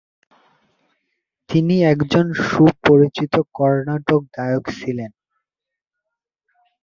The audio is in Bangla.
তিনি একজন সুপরিচিত কর্ণাটক গায়ক ছিলেন।